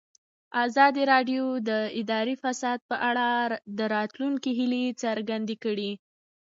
ازادي راډیو د اداري فساد په اړه د راتلونکي هیلې څرګندې کړې.